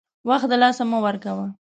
وخت دلاسه مه ورکوه !